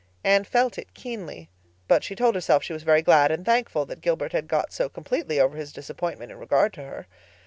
Anne felt it keenly; but she told herself she was very glad and thankful that Gilbert had got so completely over his disappointment in regard to her.